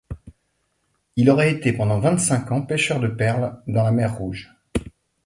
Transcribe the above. Il aurait été pendant vingt-cinq ans pêcheur de perles dans la mer Rouge.